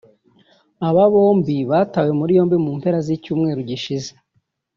Aba bombi batawe muri yombi mu mpera z’icyumweru gishize